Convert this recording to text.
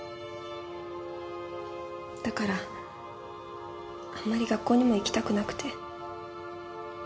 だからあまり学校にも行きたくなくて。